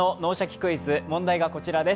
クイズ」、問題がこちらです。